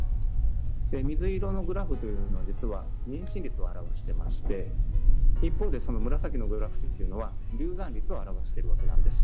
水色のグラフというのは妊娠率を表していまして一方で、紫のグラフは流産率を表しているわけです。